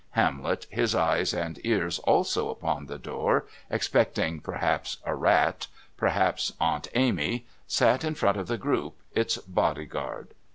Hamlet, his eyes and ears also upon the door, expecting perhaps a rat, perhaps Aunt Amy, sat in front of the group, its bodyguard.